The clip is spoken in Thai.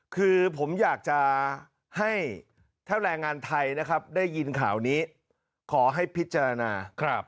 คือผมอยากจะให้ถ้าแรงงานไทยนะครับได้ยินข่าวนี้ขอให้พิจารณา